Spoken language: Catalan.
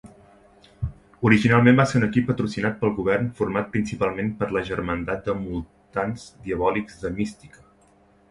Originalment va ser un equip patrocinat pel govern format principalment per la Germandat de mutants diabòlics de Mística.